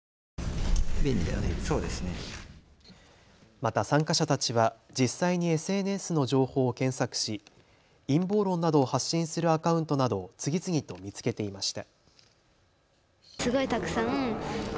また参加者たちは実際にＳＮＳの情報を検索し、陰謀論などを発信するアカウントなどを次々と見つけていました。